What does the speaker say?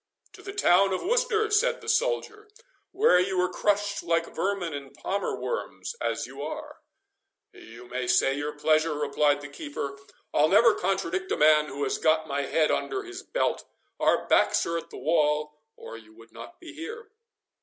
"To the town of Worcester," said the soldier, "where you were crushed like vermin and palmer worms, as you are." "You may say your pleasure," replied the keeper; "I'll never contradict a man who has got my head under his belt. Our backs are at the wall, or you would not be here."